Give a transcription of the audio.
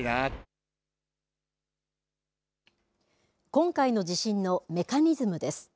今回の地震のメカニズムです。